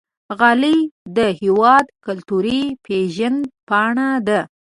غالۍ د هېواد کلتوري پیژند پاڼه ده.